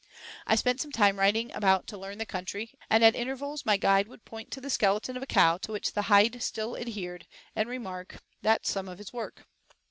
I spent some time riding about to learn the country, and at intervals my guide would point to the skeleton of a cow to which the hide still adhered, and remark, "That's some of his work."